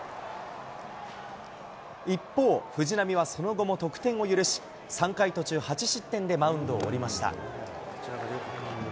一方、藤浪はその後も得点を許し、３回途中８失点でマウンドを降りました。